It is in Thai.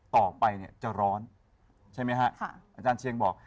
ต่อไปเนี่ยจะร้อนใช่ไหมฮะอาจารย์เชียงบอก